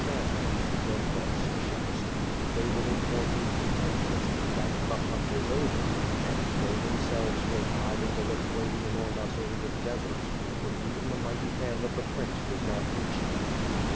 Then thought Skshetuski — they will inform me contemptuously that "The hunt is over" and they them selves will hide in the Lithuanian or Mazurian deserts where even the mighty hand of the prince could not reach them.